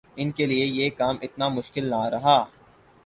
ان کیلئے یہ کام اتنا مشکل نہ رہا۔